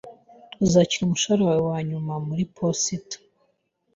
Uzakira umushahara wawe wanyuma muri posita.